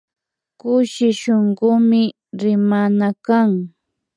Kushi shunkumi rimana kan